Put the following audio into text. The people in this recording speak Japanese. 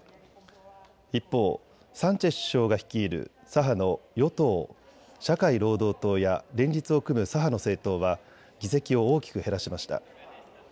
一方、サンチェス首相が率いる左派の与党・社会労働党や連立を組む左派の政党は議席を大きく減らしました。